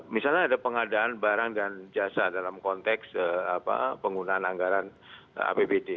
misalnya ada pengadaan barang dan jasa dalam konteks penggunaan anggaran apbd